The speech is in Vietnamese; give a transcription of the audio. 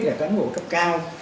là cán bộ cấp cao